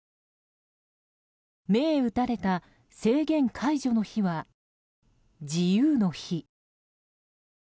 銘打たれた制限解除の日は自由の日。